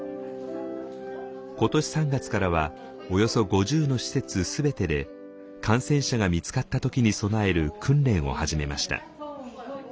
今年３月からはおよそ５０の施設全てで感染者が見つかった時に備える訓練を始めました。